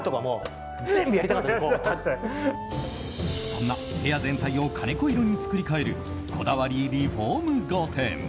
そんな部屋全体を金子色に作り替えるこだわりリフォーム御殿。